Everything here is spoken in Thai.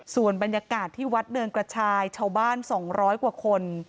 ส่วนบรรยากาศที่วัดเนินกระชายชาวบ้าน๒๐๐กว่าคน